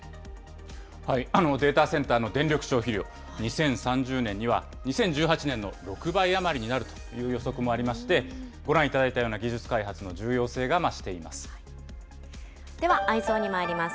データセンターの電力消費量、２０３０年には、２０１８年の６倍余りになるという予測もありまして、ご覧いただいたような技術ではＥｙｅｓｏｎにまいります。